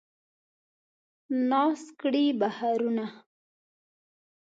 ناز کړي بهارونه